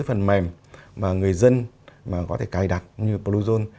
phần mềm mà người dân có thể cài đặt như bluezone